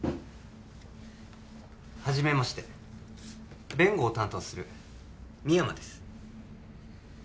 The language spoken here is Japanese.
はじめまして弁護を担当する深山です